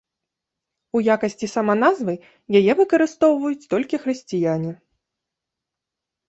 У якасці саманазвы яе выкарыстоўваюць толькі хрысціяне.